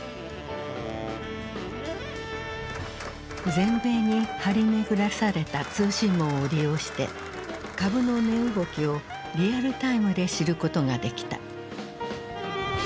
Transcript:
全米に張り巡らされた通信網を利用して株の値動きをリアルタイムで知ることができた。